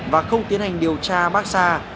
và không tiến hành điều tra barca